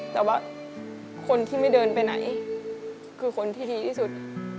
แต่ว่าคนที่ไม่เดินไปไหนคือคนที่ดีที่สุด